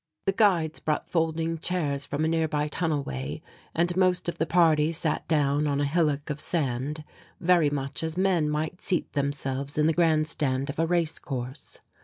The guides brought folding chairs from a nearby tunnel way and most of the party sat down on a hillock of sand, very much as men might seat themselves in the grandstand of a race course.